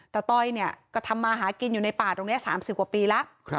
ต้อยเนี่ยก็ทำมาหากินอยู่ในป่าตรงนี้๓๐กว่าปีแล้ว